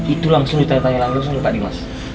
itu langsung ditanya tanya langsung lupa nih mas